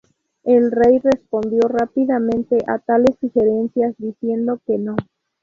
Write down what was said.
El rey respondió rápidamente a tales sugerencias diciendo que no.